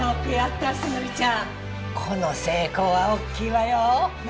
この成功は大きいわよ！ね！